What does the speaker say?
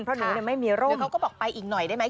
เพราะหนูไม่มีโรคเขาก็บอกไปอีกหน่อยได้ไหม